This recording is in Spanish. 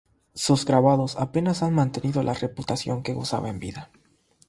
Sus grabados apenas han mantenido la reputación de que gozaba en vida.